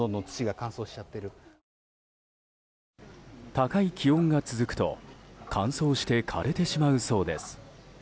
高い気温が続くと乾燥して枯れてしまうそうです。